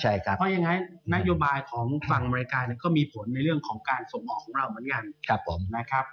เพราะยังไงนโยบายของฝั่งอเมริกาก็มีผลในเรื่องของการส่งออกของเราเหมือนกันนะครับ